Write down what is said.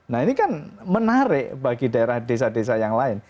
nah ini kan menarik bagi daerah desa desa yang lain